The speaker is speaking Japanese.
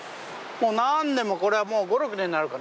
もう何年もこれはもう５６年になるかな。